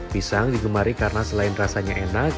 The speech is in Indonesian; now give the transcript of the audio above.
pisang digemari karena selain rasanya enak